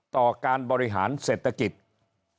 ต่อการบริหารเศรษฐกิจ